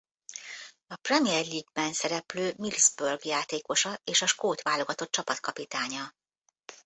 A Premier League-ben szereplő Middlesbrough játékosa és a skót válogatott csapatkapitánya.